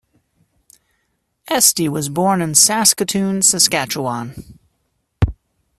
Estey was born in Saskatoon, Saskatchewan.